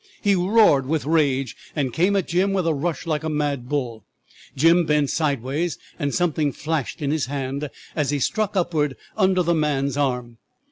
He roared with rage, and came at Jim with a rush like a mad bull. Jim bent sideways, and something flashed in his hand, as he struck upwards under the man's arm.